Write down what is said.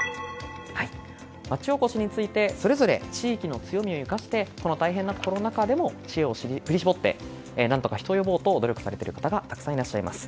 町おこしについてそれぞれ地域の強みを生かしてこの大変なコロナ禍でも知恵を振り絞って何とか人を呼ぼうと努力されている方がたくさんいらっしゃいます。